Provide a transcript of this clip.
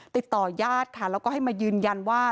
ติดต่อยาดค่ะแล้วก็ให้มายืนยันว่า